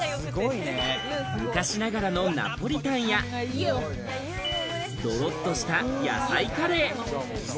昔ながらのナポリタンやどろっとした野菜カレー。